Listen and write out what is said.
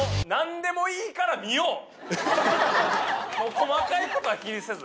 もう細かいことは気にせず。